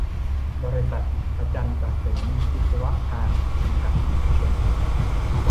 บริษัท ประจันตะเสนวิศวการ จำกัด มหาชน